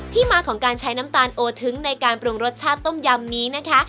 มาของการใช้น้ำตาลโอทึ้งในการปรุงรสชาติต้มยำนี้นะคะ